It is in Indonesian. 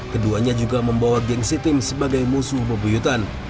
keduanya juga membawa gengsi tim sebagai musuh bebuyutan